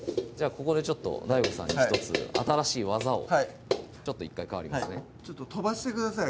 ここでちょっとＤＡＩＧＯさんに１つ新しい技をちょっと１回替わりますね飛ばしてください